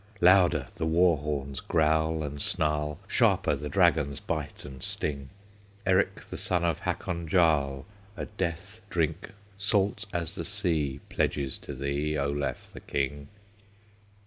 Louder the war horns growl and snarl, Sharper the dragons bite and sting! Eric the son of Hakon Jarl A death drink salt as the sea Pledges to thee, Olaf the King!